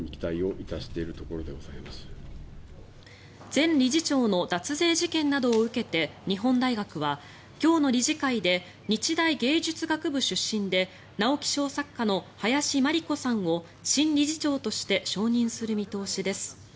前理事長の脱税事件などを受けて日本大学は今日の理事会で日大芸術学部出身で直木賞作家の林真理子さんを新理事長として承認する見通しです。